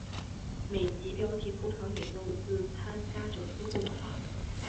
每集标题通常引用自参加者说过的话。